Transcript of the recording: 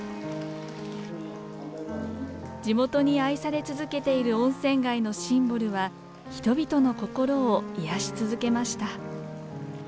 地元に愛され続けている温泉街のシンボルは人々の心を癒やし続けました。